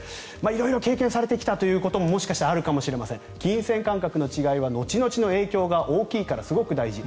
色々経験されてきたことももしかしたらあるかもしれません金銭感覚の違いは後々の影響が大きいからすごく大事。